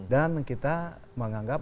dan kita menganggap